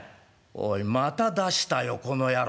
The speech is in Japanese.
「おいまた出したよこの野郎。